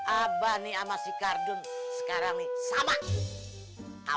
abah nih sama si kardon sekarang nih sama